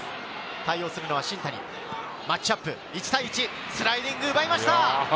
対応するのは新谷、マッチアップ、１対１、スライディング、奪いました。